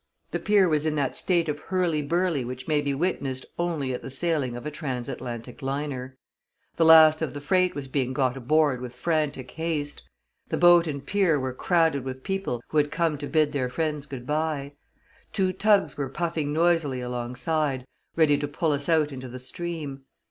The pier was in that state of hurly burly which may be witnessed only at the sailing of a transatlantic liner. The last of the freight was being got aboard with frantic haste; the boat and pier were crowded with people who had come to bid their friends good by; two tugs were puffing noisily alongside, ready to pull us out into the stream.